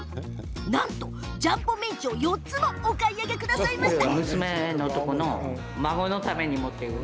なんと、ジャンボメンチを４つもお買い上げくださいました。